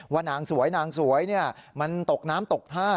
นางสวยนางสวยมันตกน้ำตกท่า